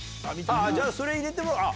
じゃあ、それで入れてもらおう。